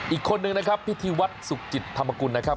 อีกคนนึงนะครับพิธีวัฒน์สุขจิตธรรมกุลนะครับ